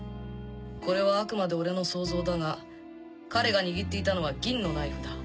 これはあくまで俺の想像だが彼が握っていたのは銀のナイフだ。